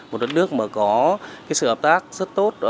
một đất nước có sự hợp tác rất tốt